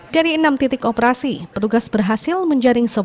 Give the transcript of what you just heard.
dari enam titik operasi petugas berhasil menjaring